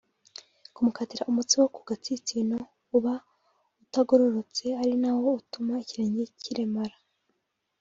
kumukatira umutsi wo kugatsitsino uba utagororotse ari nawo utuma ikirenge kiremara